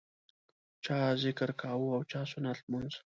چا ذکر کاوه او چا سنت لمونځ.